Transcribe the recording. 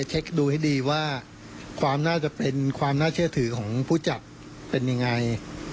เช็คดูให้ดีว่าความน่าจะเป็นความน่าเชื่อถือของผู้จัดเป็นยังไง